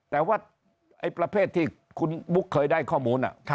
แต่ว่าไอ้ประเภทที่คุณบุ๊กเคยได้ข้อมูล